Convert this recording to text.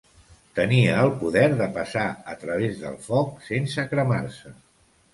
Tenia el poder de passar a través del foc sense cremar-se.